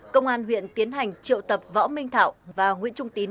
công an huyện tiến hành triệu tập võ minh thảo và nguyễn trung tín